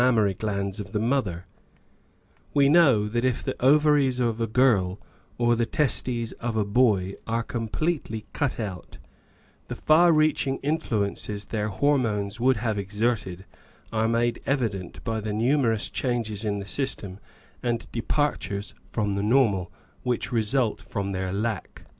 62 Married Love mammary glands of the mother; we know that if the ovaries of a girl or the testes of a boy are completely cut out, the far reaching influences their hormones would have exerted are made evident by the numerous changes in the system and departures from the normal, which result from their lack.